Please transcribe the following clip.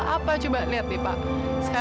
kapan lu balik pak